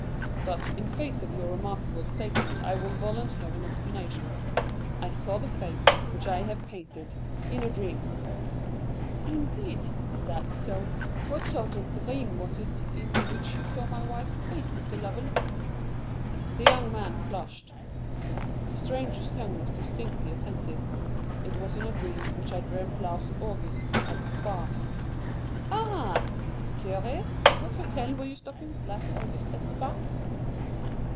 But, in face of your remarkable statement, I will volunteer an explanation. I saw the face, which I have painted, in a dream." "Indeed; is that so? What sort of dream was it in which you saw my wife's face, Mr. Lovell?" The young man flushed. The stranger's tone was distinctly offensive. "It was in a dream which I dreamt last August, at Spa." "Ah! This is curious. At what hotel were you stopping last August at Spa?"